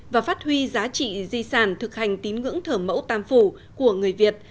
và phát huy giá trị di sản thực hành tín ngưỡng thờ mẫu tam phủ của người việt